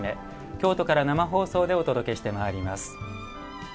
京都から生放送でお届けします。